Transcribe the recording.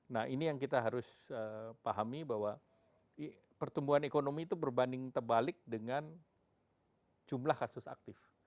nah ini yang kita harus pahami bahwa pertumbuhan ekonomi itu berbanding terbalik dengan jumlah kasus aktif